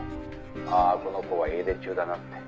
ああこの子は家出中だなって」